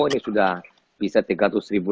ini sudah bisa tiga ratus ribu